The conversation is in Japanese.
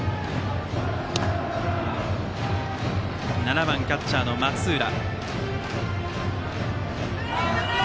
バッターは７番キャッチャーの松浦。